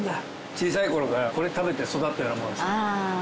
小さい頃からこれ食べて育ったようなもんですから。